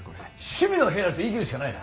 趣味の部屋だって言いきるしかないな。